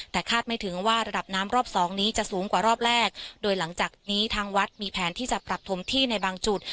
แต่คาดไม่ถึงว่าระดับน้ำรอบสองนี้จะสูงกว่ารอบแรกโดยหลังจากนี้ทางวัดมีแผนที่จะปรับถมที่ในบางจุด